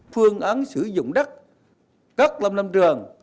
phương án sử dụng đất các lâm lâm trường